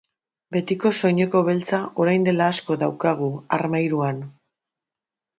Betiko soineko beltza orain dela asko daukagu armairuan.